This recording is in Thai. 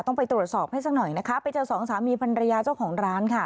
ต้องไปตรวจสอบให้สักหน่อยนะคะไปเจอสองสามีภรรยาเจ้าของร้านค่ะ